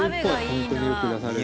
ホントによく出される。